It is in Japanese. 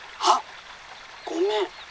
「あっごめん。